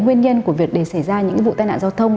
nguyên nhân của việc để xảy ra những vụ tai nạn giao thông